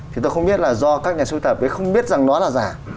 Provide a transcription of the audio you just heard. thì tôi không biết là do các nhà sưu tập ấy không biết rằng nó là giả